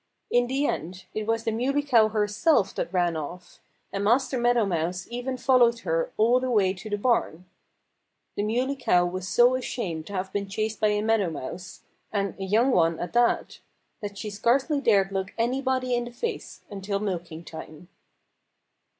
In the end it was the Muley Cow herself that ran off. And Master Meadow Mouse even followed her all the way to the bars. The Muley Cow was so ashamed to have been chased by a Meadow Mouse (and a young one, at that!) that she scarcely dared look anybody in the face until milking time.